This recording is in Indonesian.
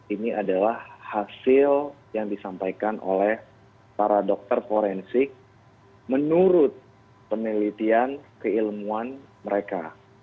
ini adalah hasil yang disampaikan oleh para dokter forensik menurut penelitian keilmuan mereka